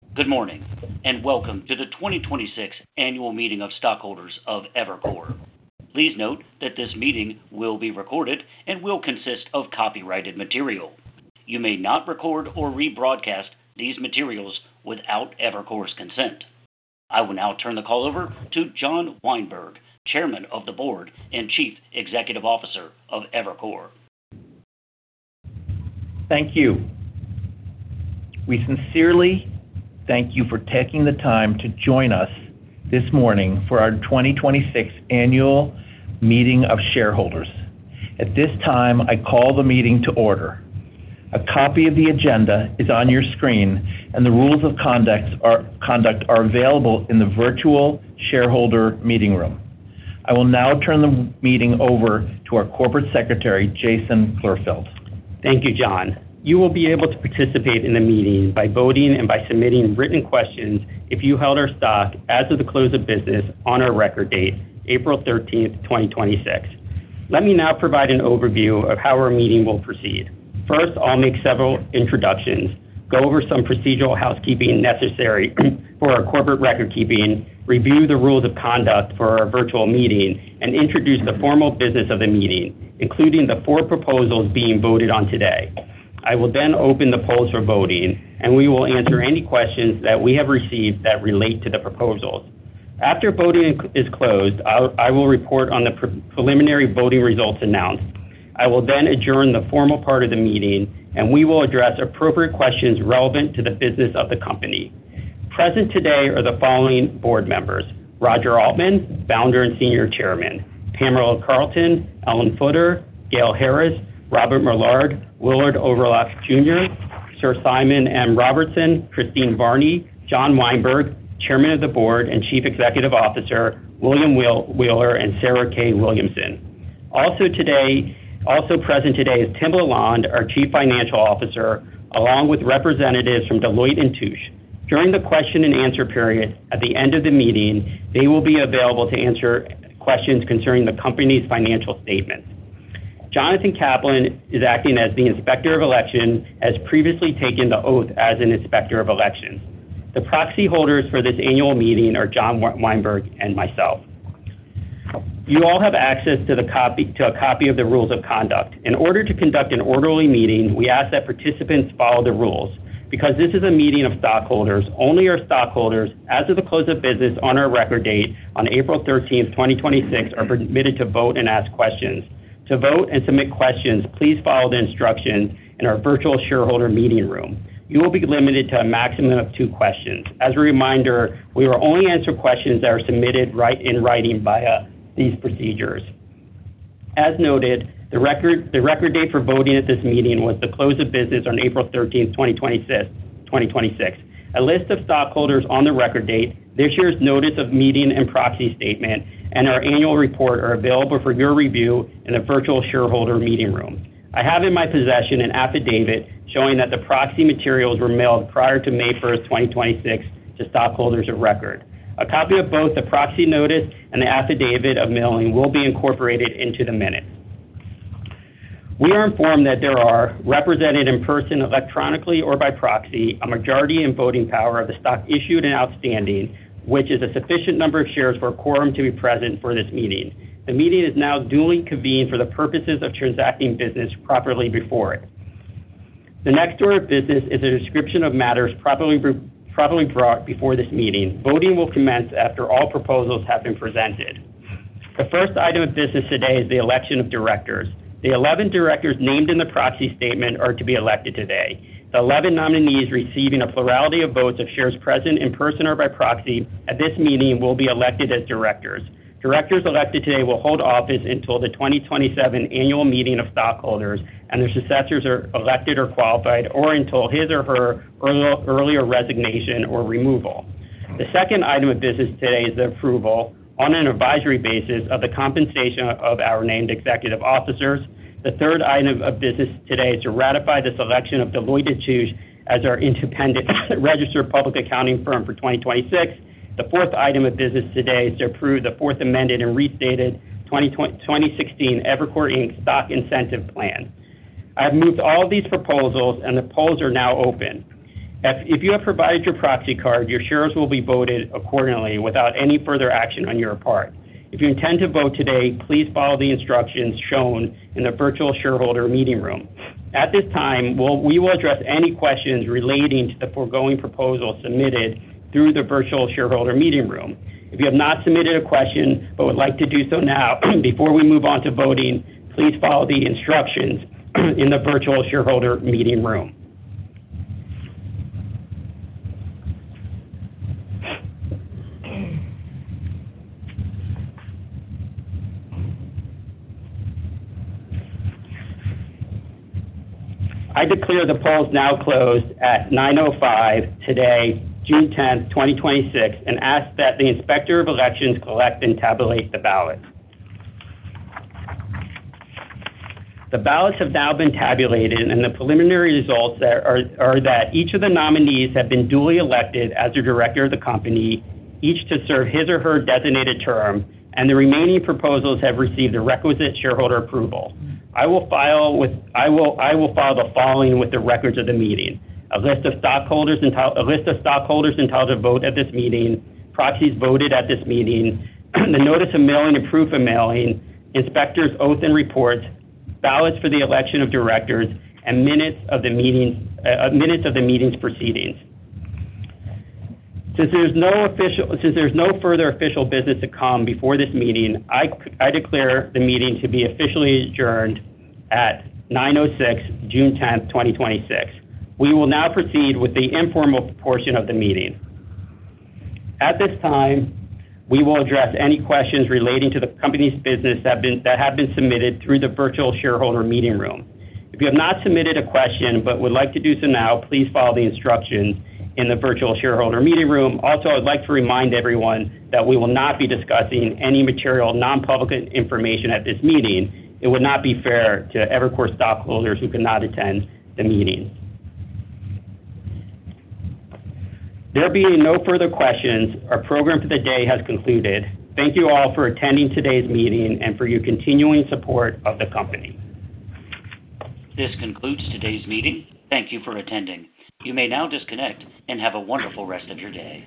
Good morning, welcome to the 2026 Annual Meeting of Stockholders of Evercore. Please note that this meeting will be recorded and will consist of copyrighted material. You may not record or rebroadcast these materials without Evercore's consent. I will now turn the call over to John Weinberg, Chairman of the Board and Chief Executive Officer of Evercore. Thank you. We sincerely thank you for taking the time to join us this morning for our 2026 Annual Meeting of Shareholders. At this time, I call the meeting to order. A copy of the agenda is on your screen, the rules of conduct are available in the virtual shareholder meeting room. I will now turn the meeting over to our Corporate Secretary, Jason Klurfeld. Thank you, John. You will be able to participate in the meeting by voting and by submitting written questions if you held our stock as of the close of business on our record date, April 13th, 2026. Let me now provide an overview of how our meeting will proceed. First, I'll make several introductions, go over some procedural housekeeping necessary for our corporate record-keeping, review the rules of conduct for our virtual meeting, introduce the formal business of the meeting, including the four proposals being voted on today. I will open the polls for voting, we will answer any questions that we have received that relate to the proposals. After voting is closed, I will report on the preliminary voting results announced. I will adjourn the formal part of the meeting, we will address appropriate questions relevant to the business of the company. Present today are the following board members: Roger Altman, Founder and Senior Chairman, Pamela Carlton, Alan Fuchs, Gail Harris, Robert Millard, Willard Overlock Jr., Sir Simon M. Robertson, Christine Varney, John Weinberg, Chairman of the Board and Chief Executive Officer, William Wheeler, Sarah K. Williamson. Also present today is Tim LaLonde, our Chief Financial Officer, along with representatives from Deloitte & Touche. During the question and answer period at the end of the meeting, they will be available to answer questions concerning the company's financial statements. Jonathan Kaplan is acting as the Inspector of Election, has previously taken the oath as an Inspector of Elections. The proxy holders for this annual meeting are John Weinberg and myself. You all have access to a copy of the rules of conduct. In order to conduct an orderly meeting, we ask that participants follow the rules. Because this is a meeting of stockholders, only our stockholders as of the close of business on our record date on April 13th, 2026, are permitted to vote and ask questions. To vote and submit questions, please follow the instructions in our virtual shareholder meeting room. You will be limited to a maximum of two questions. As a reminder, we will only answer questions that are submitted in writing via these procedures. As noted, the record date for voting at this meeting was the close of business on April 13th, 2026. A list of stockholders on the record date, this year's notice of meeting and proxy statement, and our annual report are available for your review in the virtual shareholder meeting room. I have in my possession an affidavit showing that the proxy materials were mailed prior to May 1st, 2026, to stockholders of record. A copy of both the proxy notice and the affidavit of mailing will be incorporated into the minute. We are informed that there are represented in person, electronically, or by proxy, a majority in voting power of the stock issued and outstanding, which is a sufficient number of shares for a quorum to be present for this meeting. The meeting is now duly convened for the purposes of transacting business properly before it. The next order of business is a description of matters properly brought before this meeting. Voting will commence after all proposals have been presented. The first item of business today is the election of Directors. The 11 directors named in the proxy statement are to be elected today. The 11 nominees receiving a plurality of votes of shares present in person or by proxy at this meeting will be elected as Directors. Directors elected today will hold office until the 2027 annual meeting of stockholders, and their successors are elected or qualified or until his or her earlier resignation or removal. The second item of business today is the approval on an advisory basis of the compensation of our named executive officers. The third item of business today is to ratify the selection of Deloitte & Touche as our independent registered public accounting firm for 2026. The fourth item of business today is to approve the fourth amended and restated 2016 Evercore Inc. stock incentive plan. I have moved all these proposals. The polls are now open. If you have provided your proxy card, your shares will be voted accordingly without any further action on your part. If you intend to vote today, please follow the instructions shown in the virtual shareholder meeting room. At this time, we will address any questions relating to the foregoing proposal submitted through the virtual shareholder meeting room. If you have not submitted a question but would like to do so now before we move on to voting, please follow the instructions in the virtual shareholder meeting room. I declare the polls now closed at 9:05 A.M. today, June 10th, 2026, and ask that the inspector of elections collect and tabulate the ballots. The ballots have now been tabulated, and the preliminary results are that each of the nominees have been duly elected as a Director of the company, each to serve his or her designated term, and the remaining proposals have received the requisite shareholder approval. I will file the following with the records of the meeting. A list of stockholders entitled to vote at this meeting, proxies voted at this meeting, the notice of mailing and proof of mailing, inspector's oath and reports, ballots for the election of Directors, and minutes of the meeting's proceedings. Since there's no further official business to come before this meeting, I declare the meeting to be officially adjourned at 9:06 A.M., June 10th, 2026. We will now proceed with the informal portion of the meeting. At this time, we will address any questions relating to the company's business that have been submitted through the virtual shareholder meeting room. If you have not submitted a question but would like to do so now, please follow the instructions in the virtual shareholder meeting room. Also, I'd like to remind everyone that we will not be discussing any material non-public information at this meeting. It would not be fair to Evercore stockholders who could not attend the meeting. There being no further questions, our program for the day has concluded. Thank you all for attending today's meeting and for your continuing support of the company. This concludes today's meeting. Thank you for attending. You may now disconnect and have a wonderful rest of your day.